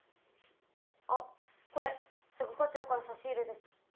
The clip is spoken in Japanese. あっこれ須賀課長から差し入れです。